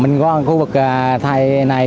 mình có khu vực thầy này